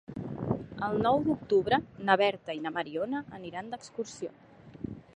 El nou d'octubre na Berta i na Mariona aniran d'excursió.